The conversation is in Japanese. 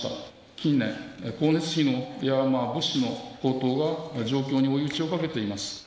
近年、光熱費や物資の高騰が状況に追い打ちをかけています。